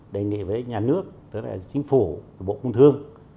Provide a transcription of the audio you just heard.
đề nghị với nhà nước tức là chính phủ bộ công thương